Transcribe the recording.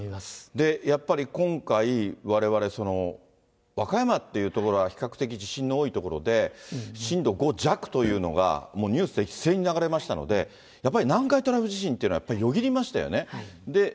で、やっぱり、今回、われわれ、和歌山っていう所は比較的、地震の多い所で、震度５弱というのが、もうニュースで一斉に流れましたので、やっぱり南海トラフ地震っていうのは、やっぱりよぎりましたよね。